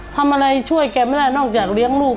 ทำอะไรช่วยแกไม่ได้นอกจากเลี้ยงลูก